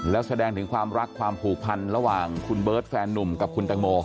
แล้วแสดงถึงความรักความผูกพันระหว่างคุณเบิร์ตแฟนนุ่มกับคุณตังโม